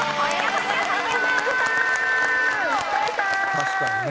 確かにね。